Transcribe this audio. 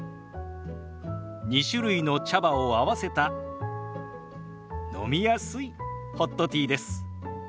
２種類の茶葉を合わせた飲みやすいホットティーです。